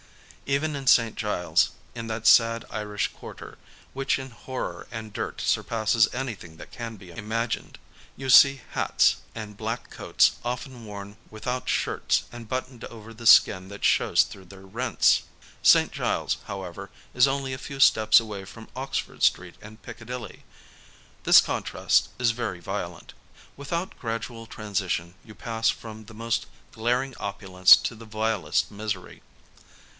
Even in St. Giles, in that sad Irish quarter, which in horror and dirt surpasses anything that can be imagined, you see hats, and black coats often worn without shirts and buttoned over the skin that shows through the rents. St. Giles, however, is only a few steps away from Oxford Street and Piccadilly. This contrast is very violent. Without gradual transition, you pass from the most glaring opulence to the vilest misery.